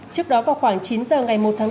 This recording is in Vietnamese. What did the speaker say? trước đó vào khoảng chín giờ ngày một tháng bốn